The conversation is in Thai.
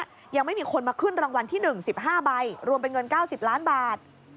ยังไม่มีคนมาขึ้นรางวัลที่๑๑๕ใบรวมเป็นเงิน๙๐ล้านบาท